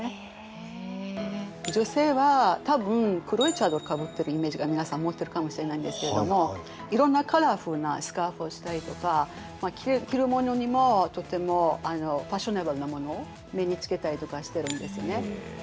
女性は多分黒いチャドルかぶってるイメージが皆さん持ってるかもしれないんですけれどもいろんなカラフルなスカーフをしたりとか着るものにもとてもファッショナブルなものを身につけたりとかしてるんですよね。